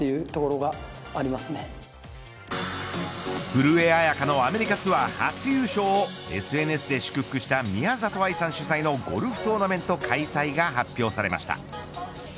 古江彩佳のアメリカツアー初優勝をＳＮＳで祝福した宮里藍さん主催のゴルフトーナメント開催が発表されました。